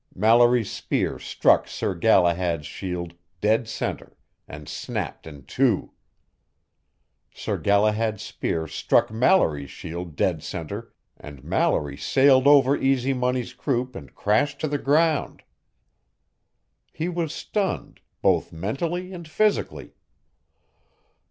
Mallory's spear struck Sir Galahad's shield dead center and snapped in two. Sir Galahad's spear struck Mallory's shield dead center and Mallory sailed over Easy Money's croup and crashed to the ground. He was stunned, both mentally and physically.